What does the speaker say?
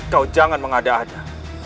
kau jangan mengada ada